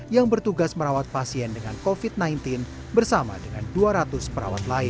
yang bertugas merawat pasien dengan covid sembilan belas bersama dengan dua ratus perawat lain